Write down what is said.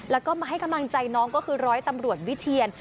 แล้วก็มาให้กำลังใจน้องก็คือร้อยตำรวจวิเทียน